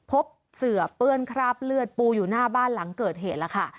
พบเสือเปื้อนคราบเลือดปูอยู่หน้าบ้านหลังเกิดเหตุแล้วค่ะ